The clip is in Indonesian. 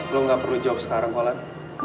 lo gak perlu jawab sekarang koklan